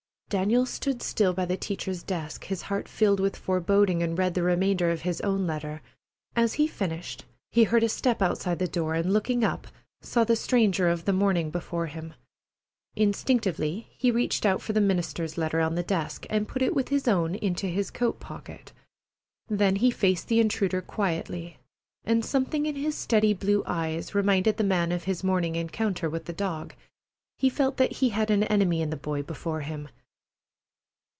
Daniel stood still by the teacher's desk, his heart filled with foreboding, and read the remainder of his own letter. As he finished, he heard a step outside the door, and, looking up, saw the stranger of the morning before him. Instinctively he reached out for the minister's letter on the desk and put it with his own into his coat pocket. Then he faced the intruder quietly, and something in his steady blue eyes reminded the man of his morning encounter with the dog. He felt that he had an enemy in the boy before him.